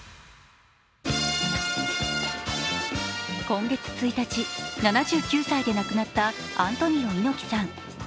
今月１日、７９歳で亡くなったアントニオ猪木さん。